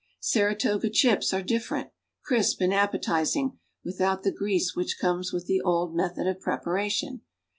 Saratoga Chips are different — crisp and ap[)elizirig without the grease which comes with the old method of preparation.